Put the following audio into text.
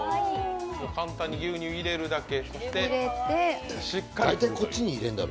簡単に牛乳入れるだけ。